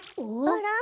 あら？